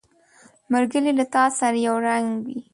ملګری له تا سره یو رنګ وي